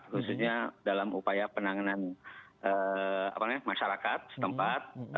khususnya dalam upaya penanganan masyarakat setempat